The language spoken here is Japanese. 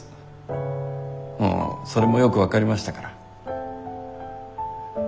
もうそれもよく分かりましたから。